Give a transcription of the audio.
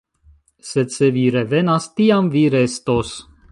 Sed se vi revenas, tiam vi restos.